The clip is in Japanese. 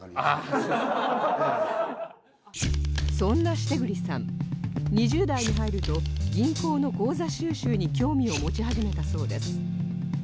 そんな為栗さん２０代に入ると銀行の口座収集に興味を持ち始めたそうです